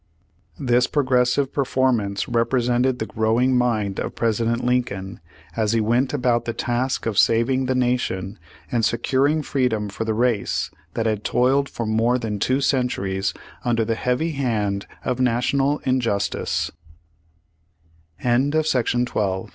^ This progressive performance represented the growing mind of President Lincoln, as he went about the task' of saving the Nation, and securing freedom for the race that had toiled for more than two centuries, under the heavy hand of Nat